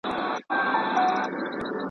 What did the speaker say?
د اعتماد فضا له کلونو راهیسې